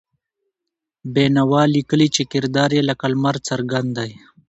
بېنوا لیکي چې کردار یې لکه لمر څرګند دی.